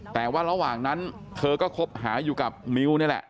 แต่ว่าระหว่างนั้นเธอก็คบหาอยู่กับมิวนี่แหละ